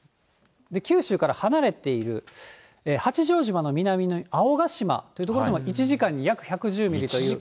九州から離れている八丈島の南の青ヶ島という所では、１時間に約１１０ミリという。